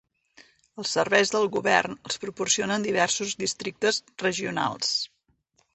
Els serveis del govern els proporcionen diversos districtes regionals.